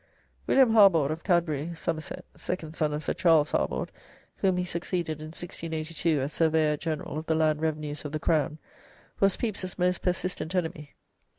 William Harbord, of Cadbury, co. Somerset, second son of Sir Charles Harbord, whom he succeeded in 1682 as Surveyor. General of the Land Revenues of the Crown, was Pepys's most persistent enemy.